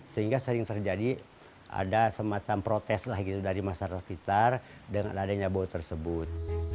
sehingga sering terjadi ada semacam protes lah gitu dari masyarakat sekitar dengan adanya bau tersebut